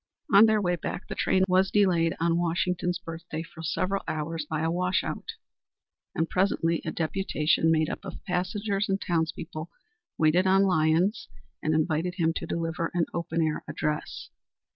On their way back the train was delayed on Washington's birthday for several hours by a wash out, and presently a deputation made up of passengers and townspeople waited on Lyons and invited him to deliver an open air address.